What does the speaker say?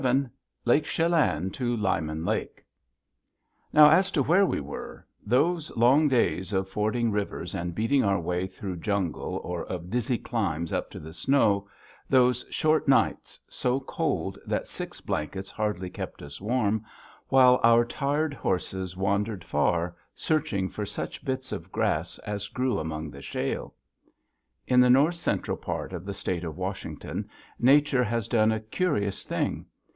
XI LAKE CHELAN TO LYMAN LAKE Now, as to where we were those long days of fording rivers and beating our way through jungle or of dizzy climbs up to the snow, those short nights, so cold that six blankets hardly kept us warm, while our tired horses wandered far, searching for such bits of grass as grew among the shale. In the north central part of the State of Washington, Nature has done a curious thing.